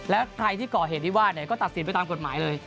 และใครที่ก่อเหตุวิวาลเนี่ยก็ตัดสินไปตามกฎหมายเลย